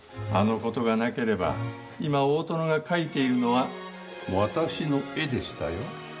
あの事がなければ今大殿が描いているのは私の絵でしたよ。